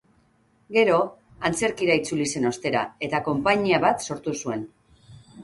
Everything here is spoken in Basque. Gero, antzerkira itzuli zen ostera, eta konpainia bat sortu zuen.